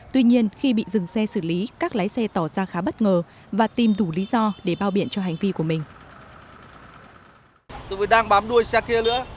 tuy nhiên khi bị dừng xe xử lý các lái xe tỏ ra khá bất ngờ và tìm đủ lý do để bao biện cho hành vi của mình